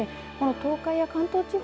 東海や関東地方